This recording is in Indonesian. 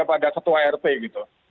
kepada ketua rt gitu